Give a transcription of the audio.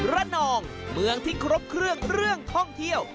ระนองเมืองที่ครบเครื่องเรื่องท่องเที่ยว